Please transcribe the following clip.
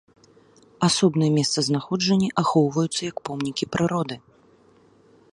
Асобныя месцазнаходжанні ахоўваюцца як помнікі прыроды.